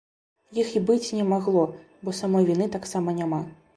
Іх і быць не магло, бо самой віны таксама няма.